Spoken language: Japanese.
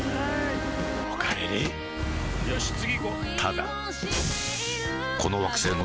おかえりよし次行こう！